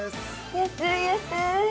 安い安い！